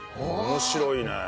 面白いね！